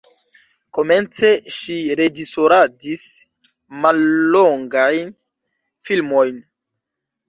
Komence ŝi reĝisoradis mallongajn filmojn.